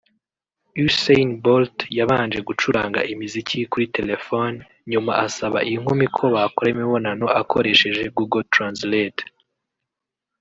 Usain Bolt yabanje gucuranga imiziki kuri telefone nyuma asaba inkumi ko bakora imibonano akoresheje Google Translate